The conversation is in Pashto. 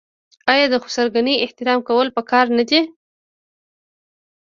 آیا د خسرګنۍ احترام کول پکار نه دي؟